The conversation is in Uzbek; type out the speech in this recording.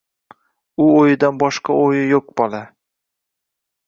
U o‘yidan boshqa o‘yi yo‘q bola.